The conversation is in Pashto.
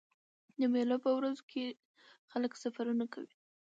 د مېلو په ورځو کښي خلک سفرونه کوي.